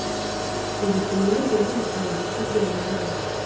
ibitse mu bubiko bwibitabo bwUbwongereza